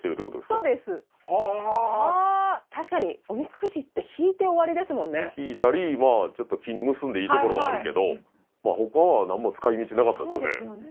そうですは確かにおみくじって引いて終わりですもんね引いたり木に結んでいいところはあるけど他は何も使い道なかったですよね